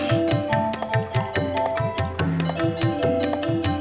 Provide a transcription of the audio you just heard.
terima kasih pak